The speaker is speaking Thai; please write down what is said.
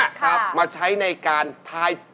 ครับมาใช้ในการทาย